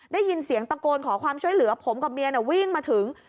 ได้ยินเสียงตะโกนขอความช่วยเหลือผมกับเมียวิ่งมาถึง